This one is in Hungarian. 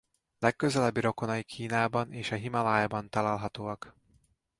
Legközelebbi rokonai Kínában és a Himalájában találhatóak.